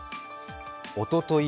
おととい